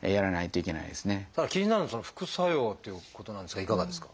ただ気になるのは副作用ということなんですがいかがですか？